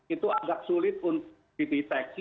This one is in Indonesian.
itu agak sulit untuk dideteksi